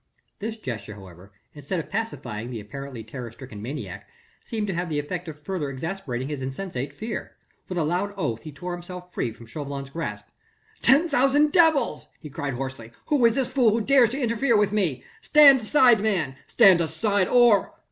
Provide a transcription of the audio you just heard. This gesture, however, instead of pacifying the apparently terror stricken maniac, seemed to have the effect of further exasperating his insensate fear. With a loud oath he tore himself free from Chauvelin's grasp. "Ten thousand devils," he cried hoarsely, "who is this fool who dares to interfere with me? Stand aside man ... stand aside or...."